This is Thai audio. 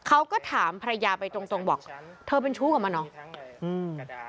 เขาก็ถามภรรยาไปตรงตรงบอกเธอเป็นชู้กับมันเนอะอืม